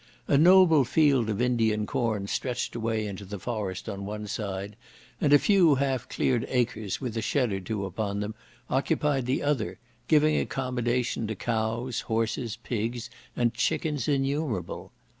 A noble field of Indian corn stretched away into the forest on one side, and a few half cleared acres, with a shed or two upon them, occupied the other, giving accommodation to cows, horses, pigs, and chickens innumerable.